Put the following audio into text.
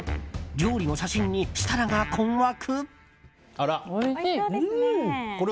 料理の写真に設楽が困惑？